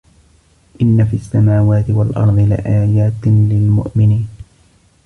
إِنَّ فِي السَّمَاوَاتِ وَالْأَرْضِ لَآيَاتٍ لِلْمُؤْمِنِينَ